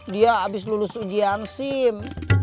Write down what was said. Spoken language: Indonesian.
dia habis lulus ujian sim